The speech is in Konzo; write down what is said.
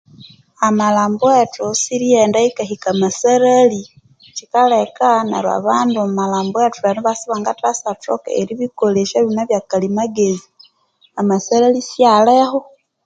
Amalhambwethu siyiriyaghenda yikahika amasarali kyikaleka neru abandu omwa malhambwethu eriba isibangasyasathoka eribikolesya ebyuma byakalyamagezi amasalha syaliho